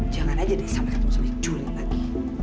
jangan aja deh sampai ketemu satu juli lagi